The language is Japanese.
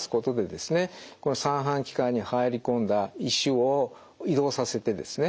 この三半規管に入り込んだ石を移動させてですね